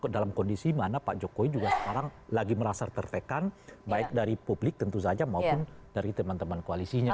dalam kondisi mana pak jokowi juga sekarang lagi merasa tertekan baik dari publik tentu saja maupun dari teman teman koalisinya